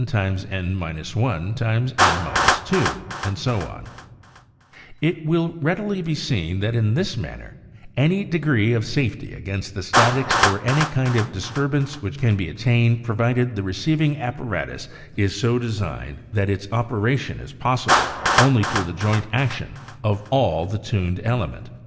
It will be n ( n — 1 )( n — 2 ) readily seen that in this manner any desired degree of safety against the statics or other kind of disturbance can be attained pro vided the receiving apparatus is so designed that its operation is possible only thru the joint action of all the tuned element